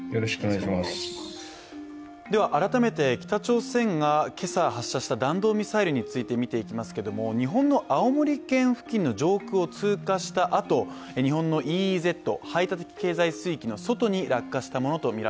改めて北朝鮮が今朝、発射した弾道ミサイルつにいて見ていきますけども、日本の青森県付近の上空を通過したあと、太平洋側の日本の排他的経済水域外に落下したということです。